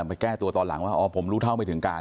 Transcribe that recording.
ไปแก้ตัวตอนหลังว่าอ๋อผมรู้เท่าไม่ถึงการ